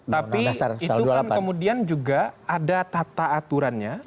tapi itu kan kemudian juga ada tata aturannya